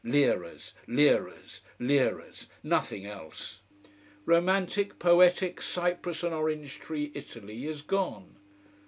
Liras liras liras nothing else. Romantic, poetic, cypress and orange tree Italy is gone.